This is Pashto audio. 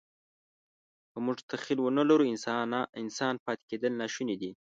که موږ تخیل ونهلرو، انسان پاتې کېدل ناشوني دي.